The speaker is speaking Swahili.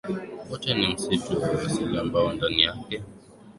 kote ni msitu wa asili ambao ndani yake